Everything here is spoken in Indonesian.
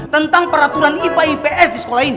tentang peraturan ipa ips di sekolah ini